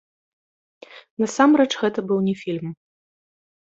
Насамрэч, гэта быў не фільм.